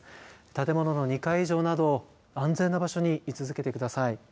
建物の２階以上など安全な場所に居続けてください。